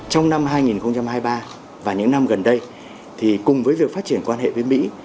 trong năm hai nghìn hai mươi ba và những năm gần đây cùng với việc phát triển quan hệ với mỹ